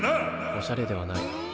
おしゃれではない。